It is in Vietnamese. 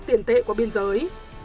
tiền tệ qua biên giới